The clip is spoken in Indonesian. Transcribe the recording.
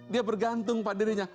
dia bergantung pada dirinya